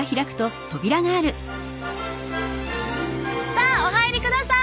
さあお入りください！